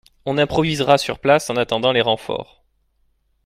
On improvisera sur place en attendant les renforts.